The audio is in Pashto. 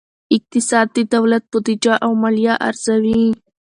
اقتصاد د دولت بودیجه او مالیه ارزوي.